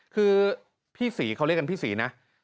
คือพี่ศรีเขาเรียกกันพี่ศรีนะ